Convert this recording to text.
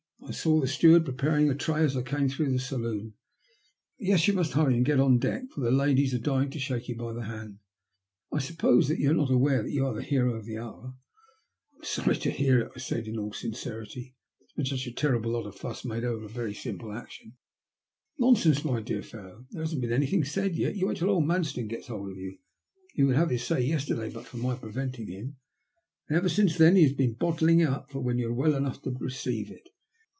" I saw the steward preparing the tray as I came through the saloon. Tes, you must hurry up and get on deck, for the ladies are dying to shake you by the hand. I suppose you're not aware that you are the hero of the hour ?" "I'm sorry to hear it," I said in all sincerity. " There has been a terrible lot of fuss made over a very simple action." " Nonsense, my dear fellow, there hasn't been any thing said yet. You wait till old Manstone gets hold of you. He would have said his say yesterday but for my preventing him, and ever since then he has been bottling it up for you when you're well enough to receive it.